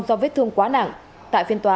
do vết thương quá nặng tại phiên tòa